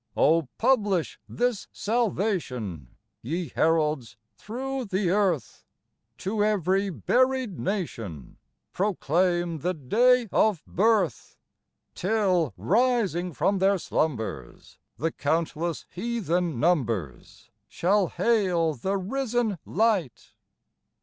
Oh, publish this salvation, Ye heralds, through the earth ! To every buried nation Proclaim the clay of birth ! Till, rising from their slumbers, The countless heathen numbers Shall hail the risen light.